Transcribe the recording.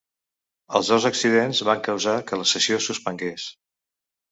Els dos accidents van causar que la sessió es suspengués.